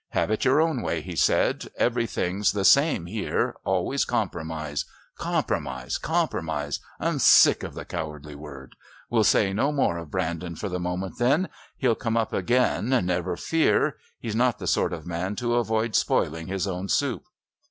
"Have it your own way," he said. "Everything's the same here always compromise. Compromise! Compromise! I'm sick of the cowardly word. We'll say no more of Brandon for the moment then. He'll come up again, never fear. He's not the sort of man to avoid spoiling his own soup."